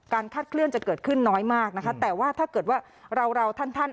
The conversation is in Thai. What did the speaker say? คาดเคลื่อนจะเกิดขึ้นน้อยมากนะคะแต่ว่าถ้าเกิดว่าเราเราท่านท่าน